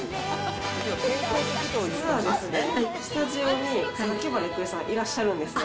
実はですね、スタジオに榊原郁恵さんいらっしゃるんですよ。